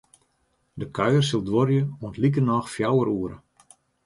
De kuier sil duorje oant likernôch fjouwer oere.